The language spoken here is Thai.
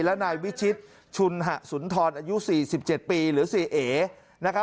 และนายวิชิตชุนหะสุนทรอายุ๔๗ปีหรือเสียเอ